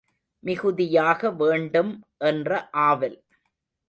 மிகுதியாக வேண்டும் என்ற ஆவல்.